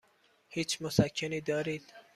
هیچ مسکنی دارید؟